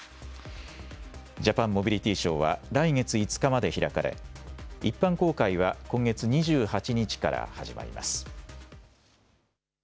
ジャパンモビリティーショーは来月５日まで開かれ、一般公開は今月２８日から始まります。